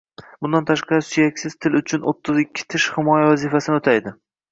Bundan tashqari suyaksiz til uchun o‘ttiz ikkita tish himoya vazifasini o‘taydi.